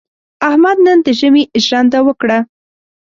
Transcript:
احمد نن د ژمي ژرنده وکړه.